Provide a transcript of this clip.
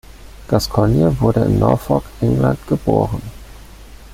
Gascoyne wurde in Norfolk, England geboren.